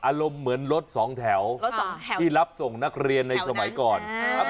อารมณ์เหมือนรถสองแถวที่รับส่งนักเรียนในสมัยก่อนครับ